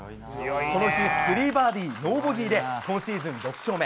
この日３バーディーノーボギーで今シーズン６勝目。